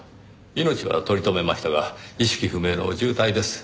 命は取り留めましたが意識不明の重体です。